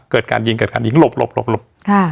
เกิดการยิงยิงหลบ